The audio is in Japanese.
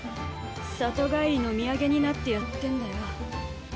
里帰りの土産になってやってんだよ。